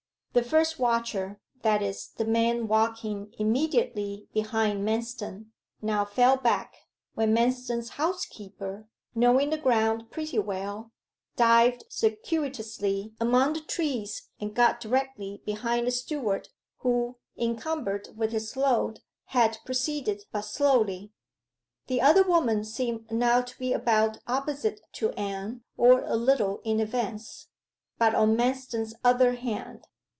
The first watcher, that is, the man walking immediately behind Manston, now fell back, when Manston's housekeeper, knowing the ground pretty well, dived circuitously among the trees and got directly behind the steward, who, encumbered with his load, had proceeded but slowly. The other woman seemed now to be about opposite to Anne, or a little in advance, but on Manston's other hand.